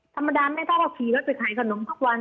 ธรรมดาแม่เท่าเราขี่รถไปขายขนมทุกวัน